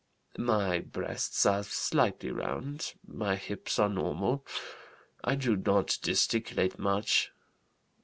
My breasts are slightly round; my hips are normal. I do not gesticulate much.